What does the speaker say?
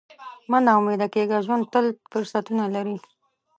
مه نا امیده کېږه، ژوند تل فرصتونه لري.